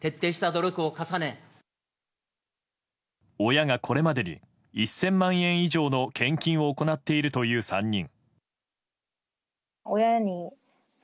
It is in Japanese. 親がこれまでに１０００万円以上の献金を行っているという３人。